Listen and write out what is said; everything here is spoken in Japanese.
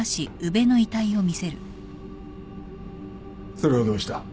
それがどうした？